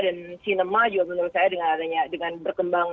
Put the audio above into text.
dan sinema juga menurut saya dengan adanya dengan berkembang